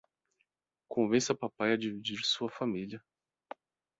Convença papai a dividir sua família